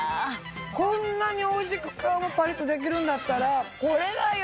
こんなにおいしく皮がパリっとできるんだったらこれだよ！